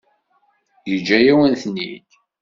Yeǧǧa-yawen-ten-id.